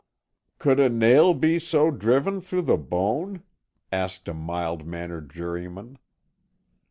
"Could a nail be so driven, through the bone?" asked a mild mannered juryman.